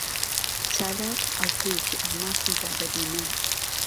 چالاک ئەڵقەیەکی ئەڵماسی دا بە دیمەن.